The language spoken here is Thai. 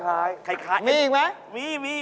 อ้าวใกล้คล้ายมีอีกไหมมี